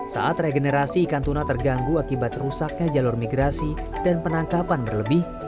saat regenerasi ikan tuna terganggu akibat rusaknya jalur migrasi dan penangkapan berlebih